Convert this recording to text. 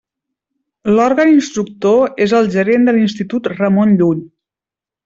L'òrgan instructor és el gerent de l'Institut Ramon Llull.